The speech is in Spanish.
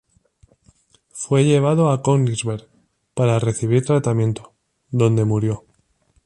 Fue llevado a Königsberg para recibir tratamiento, donde murió.